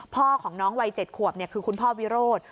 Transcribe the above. พ่อของน้องวัย๗ขวบคือคุณพ่อวิโรธ